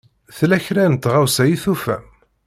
Tella kra n tɣawsa i tufam?